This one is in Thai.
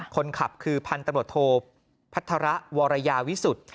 คนขับคือพันธุ์ตำรวจโทพัฒระวรยาวิสุทธิ์